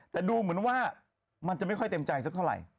แต่ดูเหมือนว่ามันจะไม่ค่อยเต็มใจสักเท่าไหร่